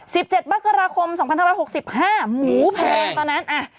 สิบเจ็ดบัคราคมสองพันทางหัวหกสิบห้าหมูแพงตอนนั้นอะ